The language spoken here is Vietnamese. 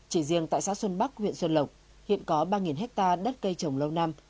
chỉ riêng tại xã xuân bắc huyện xuân lộc hiện có ba hectare đất cây trồng lâu năm